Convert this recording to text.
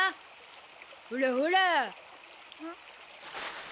ほらほら。